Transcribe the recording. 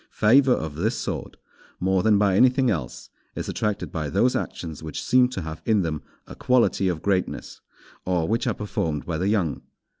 Favour of this sort, more than by anything else, is attracted by those actions which seem to have in them a quality of greatness, or which are performed by the young.